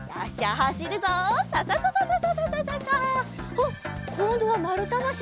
あっこんどはまるたばしだ。